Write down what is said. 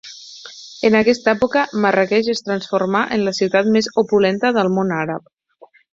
En aquesta època, Marràqueix es transformà en la ciutat més opulenta del món àrab.